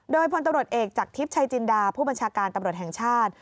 โดยพตเอกจากทริปชัยจินดาฯผู้บัญชาการตำรวจแห่งชาติ